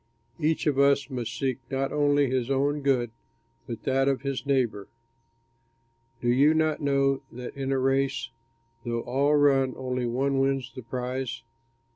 Each of us must seek not only his own good but that of his neighbor. Do you not know that in a race, though all run, only one wins the prize?